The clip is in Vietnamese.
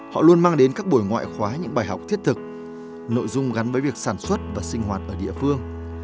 họ luôn mang đến các buổi ngoại khóa những bài học thiết thực nội dung gắn với việc sản xuất và sinh hoạt ở địa phương